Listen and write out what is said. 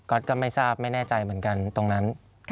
ตก็ไม่ทราบไม่แน่ใจเหมือนกันตรงนั้น